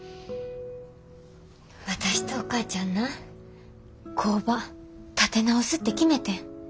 私とお母ちゃんな工場立て直すって決めてん。